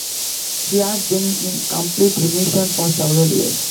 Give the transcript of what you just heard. She has been in complete remission for several years.